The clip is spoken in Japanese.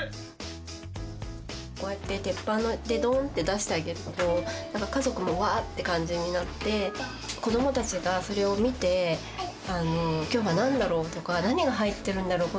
こうやって鉄板でドーンって出してあげると何か家族もわあって感じになって子どもたちがそれを見て今日は何だろう？とか何が入ってるんだろう